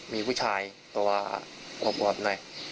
มีผู้ชายตัวขวบหน่อย